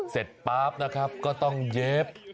ป๊าบนะครับก็ต้องเย็บ